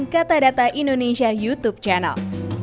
kata data indonesia youtube channel